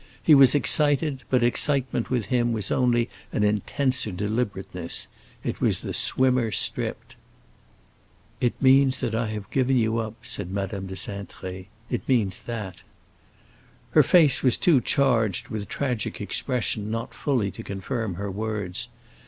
He was excited, but excitement with him was only an intenser deliberateness; it was the swimmer stripped. "It means that I have given you up," said Madame de Cintré. "It means that." Her face was too charged with tragic expression not fully to confirm her words.